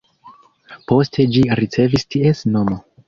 Poste ĝi ricevis ties nomo.